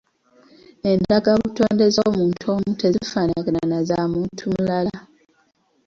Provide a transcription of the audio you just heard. Endagabutonde z'omuntu omu tezifaanagana na zamuntu mulala.